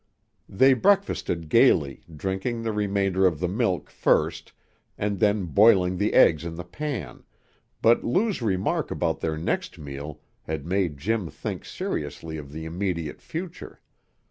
They breakfasted gaily, drinking the remainder of the milk first and then boiling the eggs in the pan, but Lou's remark about their next meal had made Jim think seriously of the immediate future.